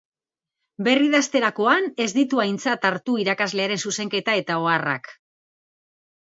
Berridazterakoan ez ditu aintzat hartu irakaslearen zuzenketa eta oharrak.